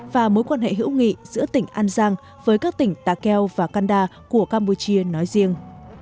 và mối quan hệ hữu nghị giữa tỉnh an giang với các tỉnh takeo và kanda của campuchia nói riêng